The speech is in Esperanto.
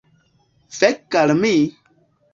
Fek' al mi!